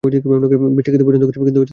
মিষ্টি খেতে পছন্দ করি, কিন্তু খেতে পারি না।